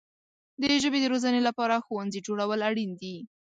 د ژبې د روزنې لپاره ښوونځي جوړول اړین دي.